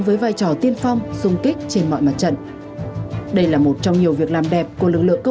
nếu sai sót gì thì anh thông báo để bổ sung nhé